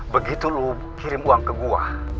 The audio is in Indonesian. begitu lo kirim uang ke gua